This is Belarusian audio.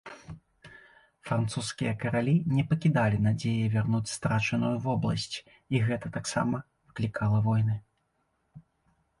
Французскія каралі не пакідалі надзеі вярнуць страчаную вобласць, і гэта таксама выклікала войны.